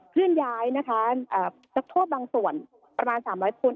เพื่อนย้ายนะคะเอ่อจะโทษบางส่วนประมาณสามละคน